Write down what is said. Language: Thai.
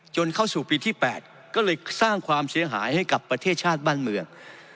เข้าสู่ปีที่๘ก็เลยสร้างความเสียหายให้กับประเทศชาติบ้านเมือง